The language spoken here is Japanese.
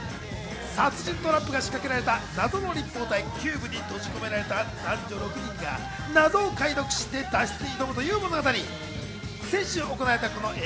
殺人トラップが仕掛けられた謎の立方体・キューブに閉じ込められた男女６人が謎を解読して脱出に挑むという物語。